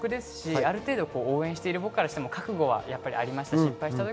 ある程度、応援してる側からしても覚悟しています。